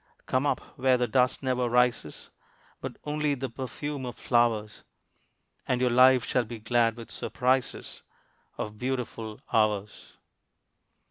Come up where the dust never rises But only the perfume of flowers And your life shall be glad with surprises Of beautiful hours.